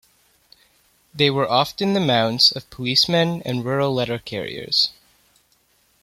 They were often the mounts of policemen and rural letter carriers.